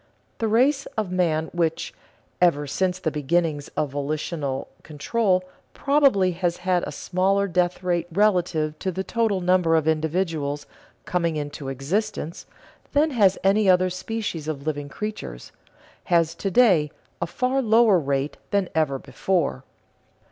The race of man which, ever since the beginnings of volitional control, probably has had a smaller death rate relative to the total number of individuals coming into existence than has any other species of living creatures, has to day a far lower rate than ever before.